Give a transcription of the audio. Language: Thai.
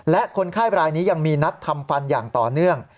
และคนไข้รายนี้ยังมีนัดทำฟันอย่างต่อเนื่อง